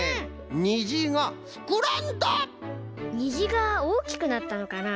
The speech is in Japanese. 虹がおおきくなったのかな？